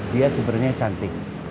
dia sebenernya cantik